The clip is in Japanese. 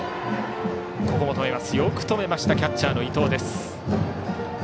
よく止めましたキャッチャーの伊藤。